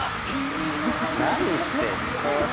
何してんの？